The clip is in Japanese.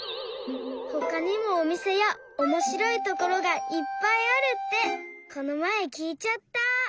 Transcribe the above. ほかにもおみせやおもしろいところがいっぱいあるってこのまえきいちゃった！